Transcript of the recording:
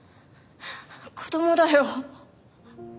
子供だよ。